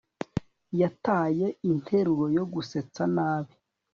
Yataye interuro yo gusetsa nabi